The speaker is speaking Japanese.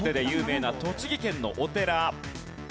有名な栃木県のお寺。